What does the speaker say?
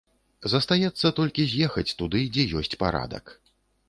Застаецца толькі з'ехаць туды, дзе ёсць парадак.